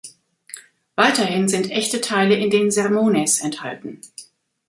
Weiterhin sind echte Teile in den "Sermones" enthalten.